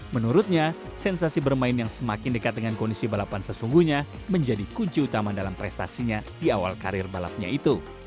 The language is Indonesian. menurutnya sensasi bermain yang semakin dekat dengan kondisi balapan sesungguhnya menjadi kunci utama dalam prestasinya di awal karir balapnya itu